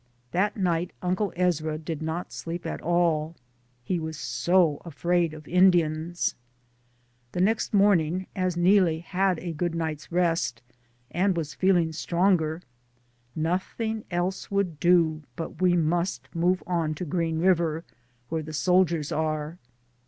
That night Uncle Ezra did not sleep at all, he was so afraid of Indians. The next morning, as Neelie had a good 266i DAYS ON THE ROAD. night's rest, and was feeling stronger, noth ing else would do but we must move on to Green River, where the soldiers are.